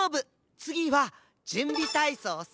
つぎはじゅんびたいそうさ。